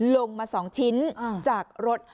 ลงมา๒ชิ้นจากรถ